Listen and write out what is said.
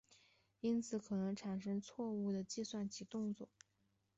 因此可能产生错误的计算及动作。